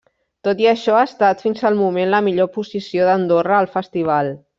Tot i això ha estat, fins al moment, la millor posició d'Andorra al festival.